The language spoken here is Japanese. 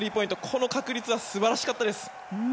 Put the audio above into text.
この確率は素晴らしかったです。